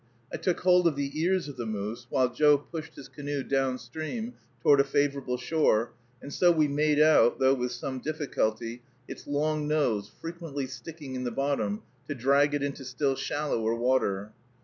I took hold of the ears of the moose, while Joe pushed his canoe down stream toward a favorable shore, and so we made out, though with some difficulty, its long nose frequently sticking in the bottom, to drag it into still shallower water.